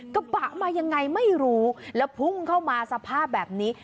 กระบะมายังไงไม่รู้แล้วพุ่งเข้ามาสภาพแบบนี้